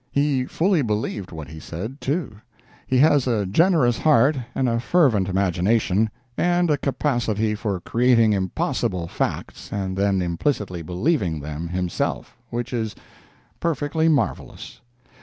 He fully believed what he said, too. He has a generous heart and a fervent imagination, and a capacity for creating impossible facts and then implicitly believing them himself, which is perfectly marvelous.